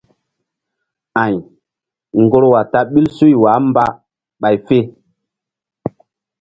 Ay ŋgorwa ta ɓil suy wah mba ɓay fe.